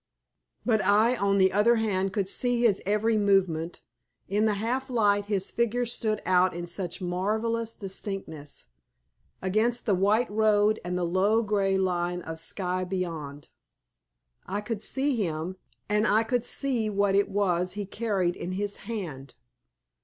But I on the other hand could see his every movement; in the half light his figure stood out in such marvellous distinctness against the white road and the low, grey line of sky beyond. I could see him, and I could see what it was he carried in his hand.